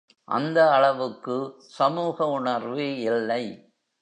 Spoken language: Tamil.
அந்த அளவுக்கு சமூக உணர்வு இல்லை.